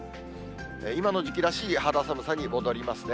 今の時期らしい肌寒さに戻りますね。